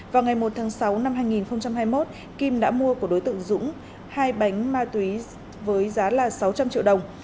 vào ngày một tháng sáu năm hai nghìn hai mươi một kim đã mua của đối tượng dũng hai bánh ma túy với giá là sáu trăm linh triệu đồng